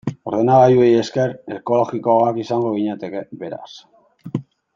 Ordenagailuei esker, ekologikoagoak izango ginateke, beraz.